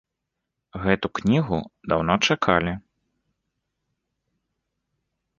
Гэту кнігу даўно чакалі.